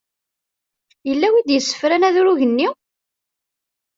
Yella wi d-yessefran adrug-nni?